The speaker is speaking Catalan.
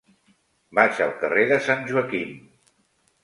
Vaig al carrer de Sant Joaquim.